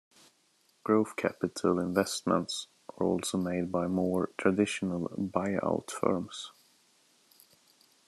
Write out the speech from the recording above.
Growth capital investments are also made by more traditional buyout firms.